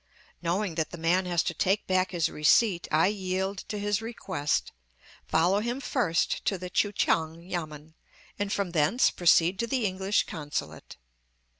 Knowing that the man has to take back his receipt I yield to his request, follow him first to the Kui kiang yamen, and from thence proceed to the English consulate.